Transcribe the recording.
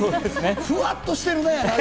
ふわっとしてるね。